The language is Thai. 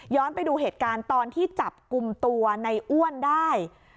ไปดูเหตุการณ์ตอนที่จับกลุ่มตัวในอ้วนได้